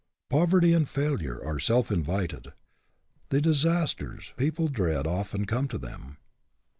Poverty and failure are self invited. The disasters people dread often come to them.